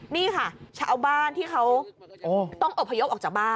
นี่ค่ะชาวบ้านที่เขาต้องอบพยพออกจากบ้าน